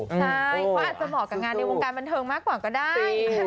ใช่เขาอาจจะเหมาะกับงานในวงการบันเทิงมากกว่าก็ได้